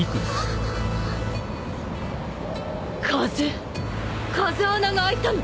風風穴が開いたの！？